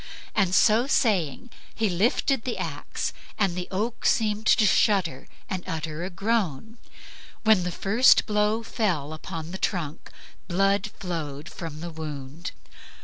So saying, he lifted the axe and the oak seemed to shudder and utter a groan. When the first blow fell upon the trunk blood flowed from the wound.